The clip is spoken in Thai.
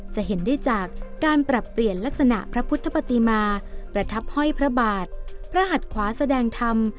จะเห็นได้จากการปรับเปลี่ยนลักษณะพระพุทธปฏิมาประทับห้อยพระบาทพระหัดขวาแสดงธรรม